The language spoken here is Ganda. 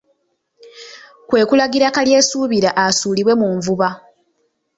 Kwe kulagira Kalyesuubira asuulibwe mu nvuba.